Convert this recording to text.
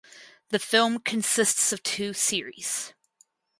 The film consists of two series.